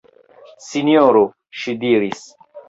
Sinjoro, ŝi diris.